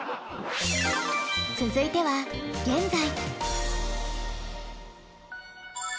続いては現在。